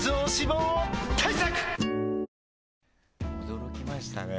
驚きましたね。